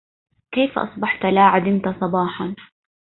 كيف أصبحت لا عدمت صباحا